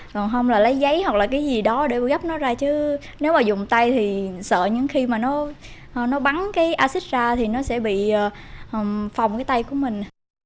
còn không là lấy giấy hoặc là cái gì đó để gấp nó ra chứ nếu mà dùng tay thì sợ những khi mà nó bắn cái acid ra thì nó sẽ bị phòng cái tay của mình